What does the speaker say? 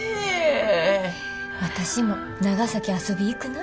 私も長崎遊び行くな。